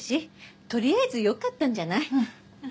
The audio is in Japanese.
とりあえずよかったんじゃない？